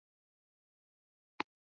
终年三十六岁。